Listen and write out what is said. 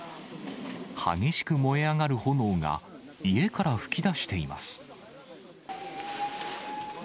激しく燃え上がる炎が、家から噴き出しています。